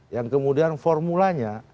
yang kemudian formulanya